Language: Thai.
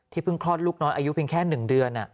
เพิ่งคลอดลูกน้อยอายุเพียงแค่๑เดือน